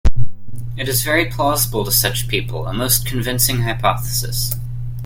It is very plausible to such people, a most convincing hypothesis.